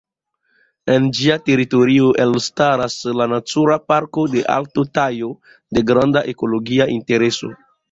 En ĝia teritorio elstaras la Natura Parko de Alto Tajo, de granda ekologia intereso.